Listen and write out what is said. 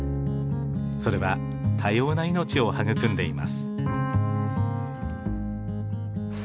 それは多様な命を育んでいます。